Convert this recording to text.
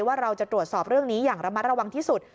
ว่าเราจะตรวจสอบเรื่องนี้อย่างระมัดระวังที่สุด